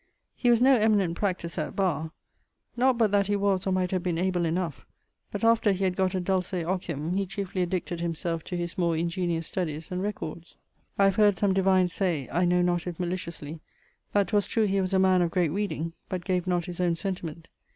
He was no eminent practiser at barre; not but that he was or might have been able enough; but after he had got a dulce ocium he chiefly addicted himselfe to his more ingeniose studies and records. I have heard some divines say (I know not if maliciously) that 'twas true he was a man of great reading, but gave not his owne sentiment.